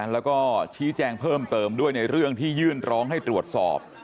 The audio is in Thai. แล้วก็ชี้แจงเพิ่มเติมด้วยในเรื่องที่ยื่นร้องให้ตรวจสอบ